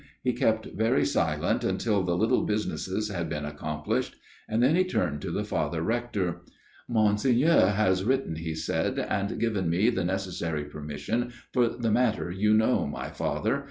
He kept very silent until the little businesses had been accomplished, and then he turned to the Father Rector. "* Monseigneur has written,' he said, * and given me the necessary permission for the matter you know, my father.